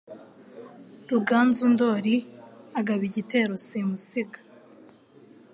Ruganzu Ndoli agaba igitero simusiga